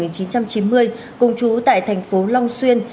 cùng chú tại tp long xuyên